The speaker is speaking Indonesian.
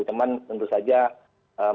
teman tentu saja mereka harus berdiri sendiri